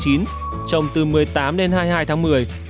trồng từ một mươi tám đến hai mươi hai tháng một mươi